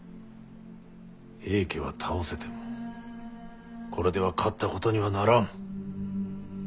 平家は倒せてもこれでは勝ったことにはならん。